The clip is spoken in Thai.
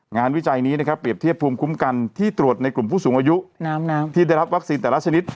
วิจัยนี้นะครับเปรียบเทียบภูมิคุ้มกันที่ตรวจในกลุ่มผู้สูงอายุที่ได้รับวัคซีนแต่ละชนิด